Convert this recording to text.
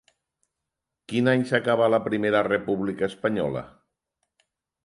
Quin any s'acaba la Primera República Espanyola?